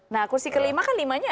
nah kursi kelima kan sudah diambil ya